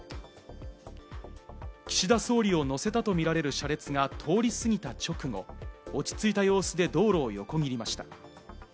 岸田総理を乗せたとみられる車列が通り過ぎた直後、落ち着いた様子で道路を横切りました。